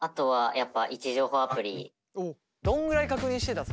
どんぐらい確認してた？